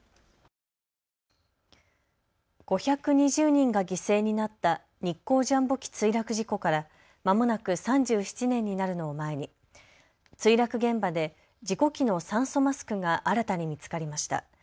５２０人が犠牲になった日航ジャンボ機墜落事故からまもなく３７年になるのを前に墜落現場で事故機の酸素マスクが新たに見つかりました。